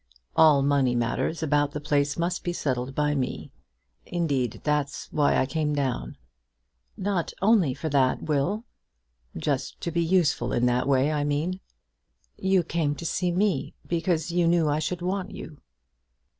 "All money matters about the place must be settled by me. Indeed, that's why I came down." "Not only for that, Will?" "Just to be useful in that way, I mean." "You came to see me, because you knew I should want you."